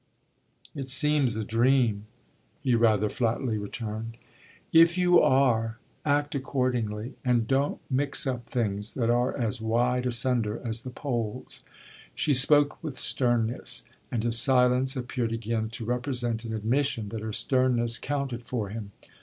"It seems a dream," he rather flatly returned. "If you are, act accordingly and don't mix up things that are as wide asunder as the poles!" She spoke with sternness and his silence appeared again to represent an admission that her sternness counted for him.